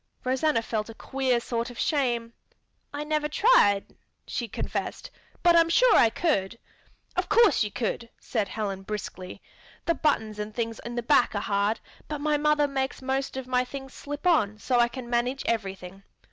Rosanna felt a queer sort of shame. "I never tried," she confessed, "but I am sure I could." "Of course you could," said Helen briskly. "The buttons and things in the back are hard, but my mother makes most of my things slip on so I can manage everything.